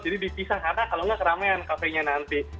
jadi dipisah karena kalau nggak keramaian kafenya nanti